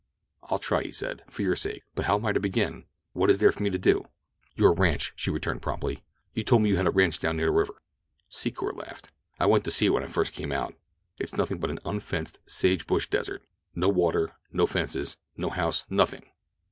"I'll try," he said, "for your sake; but how am I to begin—what is there for me to do?" "Your ranch," she returned promptly. "You told me that you had a ranch down near the river." Secor laughed. "I went to see it when I first came out. It's nothing but an unfenced sage bush desert. No water, no fences, no house—nothing."